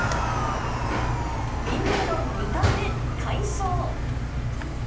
ウィンブルドン２冠へ、快勝。